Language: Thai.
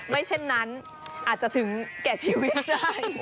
ไม่เช่นนั้นอาจจะถึงแก่ชีวิตได้